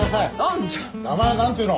名前は何て言うの？